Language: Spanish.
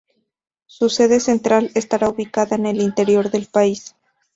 Su sede central estará ubicada en el interior del país.